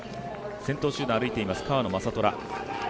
先頭集団、歩いています川野将虎。